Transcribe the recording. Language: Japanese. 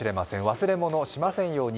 忘れ物をしませんように。